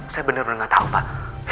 saya bener bener gak tau pak